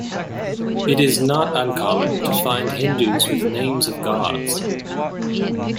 It is not uncommon to find Hindus with names of gods.